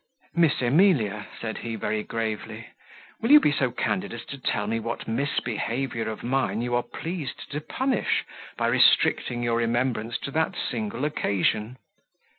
"Miss Emilia," said he, very gravely, "will you be so candid as to tell me what misbehaviour of mine you are pleased to punish, by restricting your remembrance to that single occasion?"